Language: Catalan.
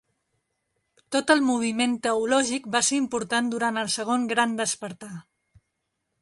Tot el moviment teològic va ser important durant el Segon Gran Despertar.